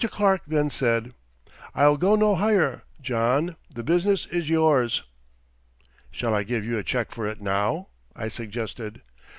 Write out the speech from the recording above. Clark then said: "I'll go no higher, John; the business is yours." "Shall I give you a check for it now?" I suggested.